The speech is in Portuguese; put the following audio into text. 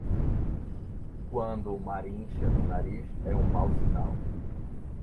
Quando o mar incha no nariz, é um mau sinal.